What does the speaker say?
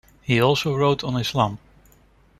He also wrote on Islam.